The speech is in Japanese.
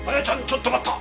ちょっと待った！